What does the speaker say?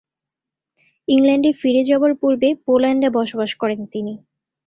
ইংল্যান্ডে ফিরে যাবার পূর্বে পোল্যান্ডে বসবাস করেন তিনি।